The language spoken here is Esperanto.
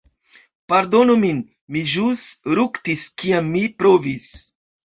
Pardonu min, mi ĵus ruktis kiam mi provis.